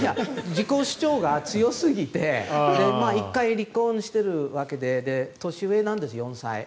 自己主張が強すぎて１回離婚しているわけで年上なんです、４歳。